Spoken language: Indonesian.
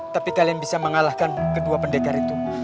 tapi kalian bisa mengalahkan kedua pendekar itu